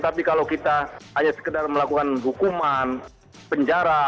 tapi kalau kita hanya sekedar melakukan hukuman penjara